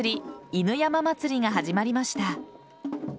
犬山祭が始まりました。